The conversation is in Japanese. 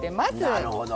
なるほど。